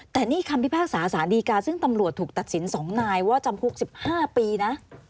แต่นี่คำพิพากษาสารดีกาซึ่งตำรวจถูกตัดสิน๒นายว่าจำคุก๑๕ปีนะ